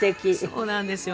そうなんですよ